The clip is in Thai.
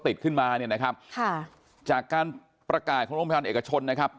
ติดขึ้นมาเนี่ยนะครับค่ะจากการประกาศของโรงพยาบาลเอกชนนะครับ